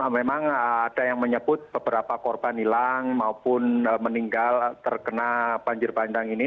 memang ada yang menyebut beberapa korban hilang maupun meninggal terkena banjir bandang ini